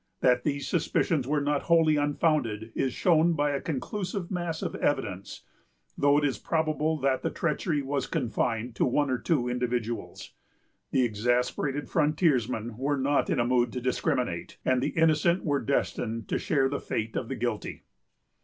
That these suspicions were not wholly unfounded is shown by a conclusive mass of evidence, though it is probable that the treachery was confined to one or two individuals. The exasperated frontiersmen were not in a mood to discriminate, and the innocent were destined to share the fate of the guilty.